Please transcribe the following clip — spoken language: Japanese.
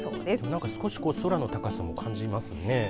なんか少し空の高さも感じますね。